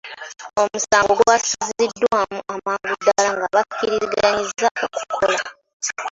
Omusango gwasaziddwamu amangu ddala nga bakiriziganyizza okukola.